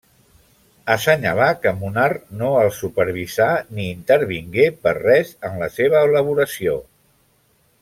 Assenyalà que Munar no els supervisà ni intervingué per res en la seva elaboració.